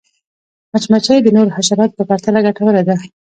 مچمچۍ د نورو حشراتو په پرتله ګټوره ده